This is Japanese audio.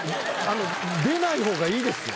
出ない方がいいですよ。